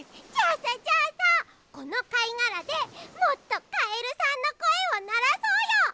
じゃあさじゃあさこのかいがらでもっとカエルさんのこえをならそうよ！